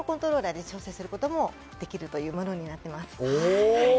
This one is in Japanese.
筆の太さ、細さもコントローラーで調節することもできるというものになっています。